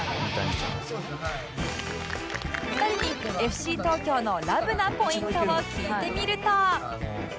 ２人に ＦＣ 東京のラブなポイントを聞いてみると